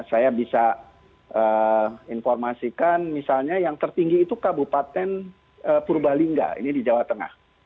saya bisa informasikan misalnya yang tertinggi itu kabupaten purbalingga ini di jawa tengah